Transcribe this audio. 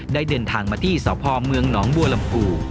ได้เดินทางมาที่สอบพอร์เมืองน้องบัวลำกู